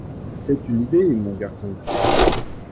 C’est une idée, mon garçon.